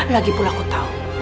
lagi pula aku tau